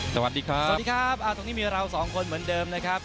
สวัสดีครับสวัสดีครับตรงนี้มีเราสองคนเหมือนเดิมนะครับ